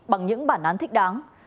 bằng những bản án thích đáng